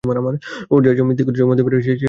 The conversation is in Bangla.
ওরা যা মিথ্যে কথা জমাতে পারে সে তারিফ করতে হয়।